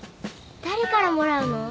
誰からもらうの？